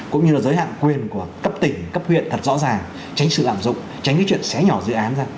cũng như là giới hạn quyền của cấp tỉnh cấp huyện thật rõ ràng tránh sự lạm dụng tránh cái chuyện xé nhỏ dự án ra